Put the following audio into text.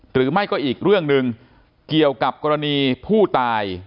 หรือไม่ก็อีกเรื่องหนึ่งเกี่ยวกับกรณีผู้ตาย